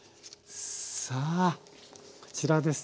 さあこちらですね。